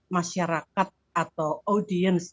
masyarakat atau audience